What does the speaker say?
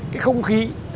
cái không khí